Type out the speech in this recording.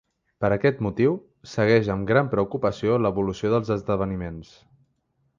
Per aquest motiu, segueix “amb gran preocupació” l’evolució dels esdeveniments.